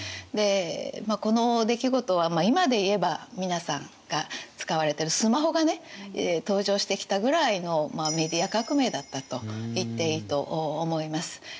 でこの出来事は今でいえば皆さんが使われてるスマホがね登場してきたぐらいのメディア革命だったと言っていいと思います。